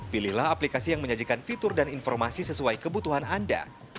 pilihlah aplikasi yang menyajikan fitur dan informasi sesuai kebutuhan anda